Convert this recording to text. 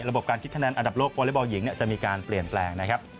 การคิดคะแนนอันดับโลกวอเล็กบอลหญิงจะมีการเปลี่ยนแปลงนะครับ